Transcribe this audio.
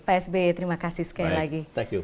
psby terima kasih sekali lagi